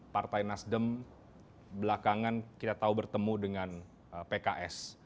partai nasdem belakangan kita tahu bertemu dengan pks